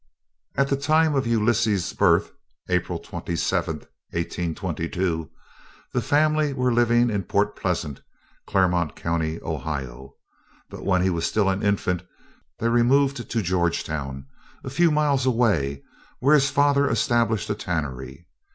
At the time of Ulysses' birth (April 27, 1822) the family were living at Point Pleasant, Claremont County, Ohio. But when he was still an infant they removed to Georgetown, a few miles away, where the father established a tannery.